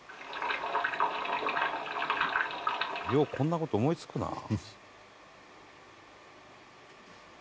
「ようこんな事思いつくなあ」